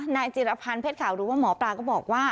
นายจิรพรรณเพชรข่าวรู้ว่าหมอปลาก็บอกว่า